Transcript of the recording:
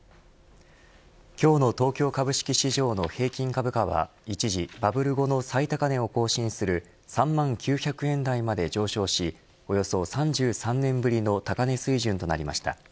今日の東京株式市場の平均株価は一時バブル後の最高値を更新する３万９００円台まで上昇しおよそ３３年ぶりの高値水準となりました。